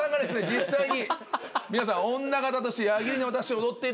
実際に皆さん女形として。